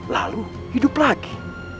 lalu hidup lagi